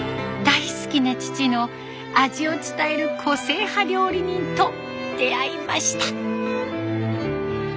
大好きな父の味を伝える個性派料理人と出会いました。